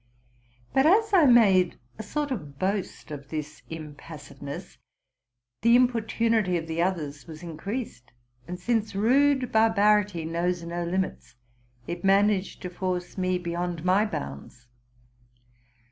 But, as I made a sort of boast of this impassiveness, the importunity of the others was increased; and, since rude barbarity knows no limits, it managed to force me beyond my bounds.